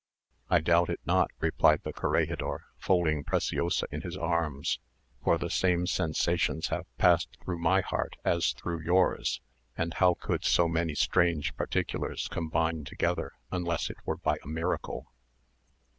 "I doubt it not," replied the corregidor, folding Preciosa in his arms, "for the same sensations have passed through my heart as through yours; and how could so many strange particulars combine together unless it were by a miracle?"